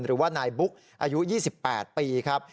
หรือว่านายบุ๊กอายุ๒๘ปีครับ